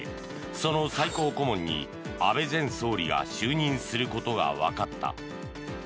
その最高顧問に安倍前総理が就任することがわかった。